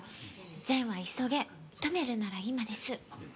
善は急げ止めるなら今です